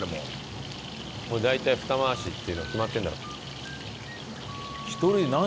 大体２回しっていうの決まってるんだろ。